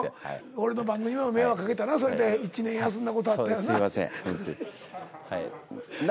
俺の番組にも迷惑かけたなそれで。１年休んだ事あったよな。